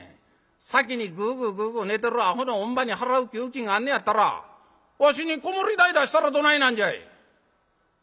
先にグーグーグーグー寝てるアホの乳母に払う給金があんねやったらわしに子守代出したらどないなんじゃい！」。